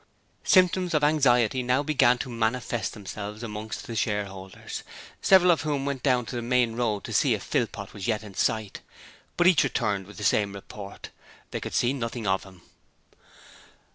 Symptoms of anxiety now began to manifest themselves amongst the shareholders, several of whom went down to the main road to see if Philpot was yet in sight, but each returned with the same report they could see nothing of him.